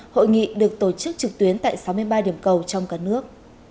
hội nghị được tổ chức trực tuyến tại sáu mươi ba điểm cầu trong cả nước